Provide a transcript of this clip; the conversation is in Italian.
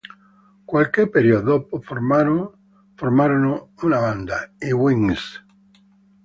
Qualche periodo dopo, formarono una band, i Wings.